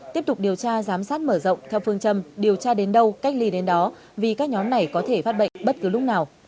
tiếp tục điều tra giám sát mở rộng theo phương châm điều tra đến đâu cách ly đến đó vì các nhóm này có thể phát bệnh bất cứ lúc nào